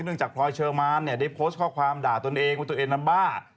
เนื่องจากพลอยเชอร์มานได้โพสต์ข้อความด่าตนเองว่าตนเองนั้นบ้า